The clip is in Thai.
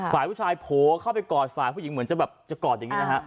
ฝ่ายผู้ชายโผล่เข้าไปกอดฝ่ายผู้หญิงเหมือนจะแบบจะกอดอย่างนี้นะฮะ